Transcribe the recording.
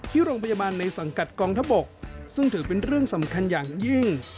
ที่โรงพยาบาลในสังกัดกองทบกซึ่งถือเป็นเรื่องสำคัญอย่างยิ่ง